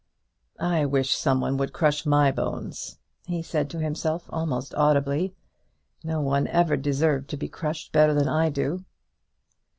"I wish some one would crush my bones," he said to himself almost audibly. "No one ever deserved to be crushed better than I do."